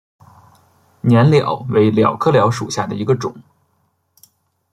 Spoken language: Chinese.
粘蓼为蓼科蓼属下的一个种。